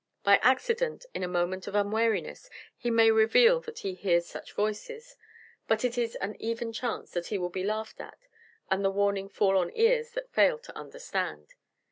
By accident, in a moment of unwariness, he may reveal that he hears such voices; but it is an even chance that he will be laughed at and the warning fall on ears that fail to understand.